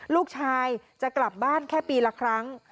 ลูกชายจะกลับบ้านแค่ปีละครั้ง